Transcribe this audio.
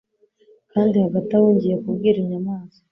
kandi hagati aho ngiye kubwira inyamaswa